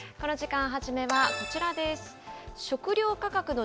この時間初めは、こちらです。